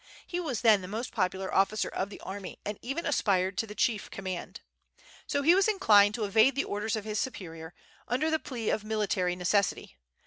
He was then the most popular officer of the army, and even aspired to the chief command. So he was inclined to evade the orders of his superior, under the plea of military necessity.